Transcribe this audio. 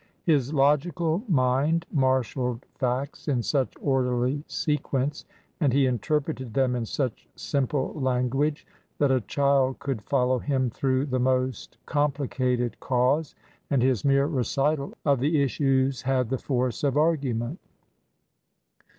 His logical mind marshaled facts in such orderly sequence, and he interpreted them in such simple language, that a child could follow him through the most complicated cause, and his mere recital of the issues had the force of argument.